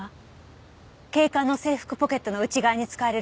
警官の制服ポケットの内側に使われる生地だった。